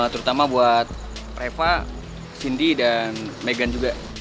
terutama buat preva cindy dan meghan juga